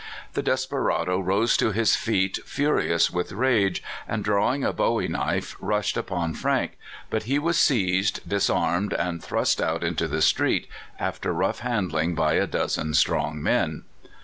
The desperado rose to his feet furious with rage, and drawing a Bowie knife rushed upon Frank, but he was seized, disarmed, and thrust out into the street, after rough handling by a dozen strong men.